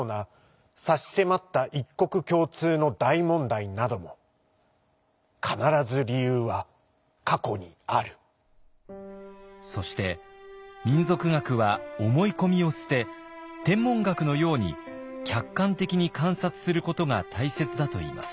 選挙がどういう訳でこの国ばかりそして民俗学は思い込みを捨て天文学のように客観的に観察することが大切だといいます。